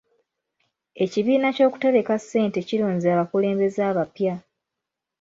Ekibiina ky'okutereka ssente kironze abakulembeze abapya.